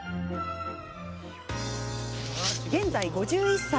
現在５１歳。